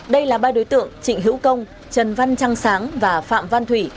đây là ba đối tượng trịnh hữu công trần văn trăng sáng và phạm văn thủy